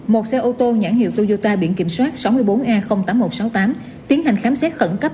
một xe ô tô nhãn hiệu toyota biển kiểm soát sáu mươi bốn a tám nghìn một trăm sáu mươi tám tiến hành khám xét khẩn cấp